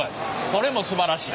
これもすばらしい。